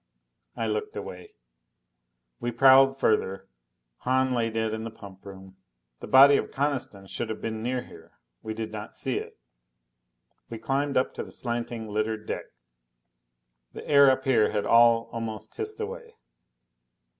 I looked away. We prowled further. Hahn lay dead in the pump room. The body of Coniston should have been near here. We did not see it. We climbed up to the slanting, littered deck. The air up here had all almost hissed away.